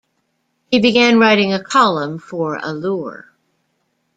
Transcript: He began writing a column for "Allure".